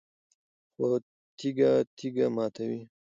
خو تیږه تیږه ماتوي